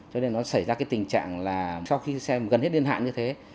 cho nên nó xảy ra cái tình trạng là sau khi gần hết niên hạn như thế